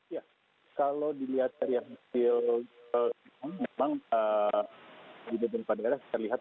ya kalau dilihat dari hasil hitung memang di depan pada daerah terlihat